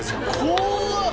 怖っ！